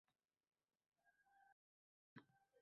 Yakka terak oʼsibdi.